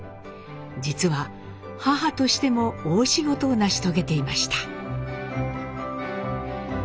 実は母としても大仕事を成し遂げていました。